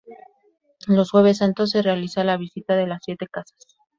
Los Jueves Santos se realiza la "Visita de las Siete casas".